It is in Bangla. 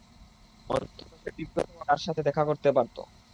অন্তত, সে ব্যক্তিগতভাবে তার সাথে দেখা করতে পারত।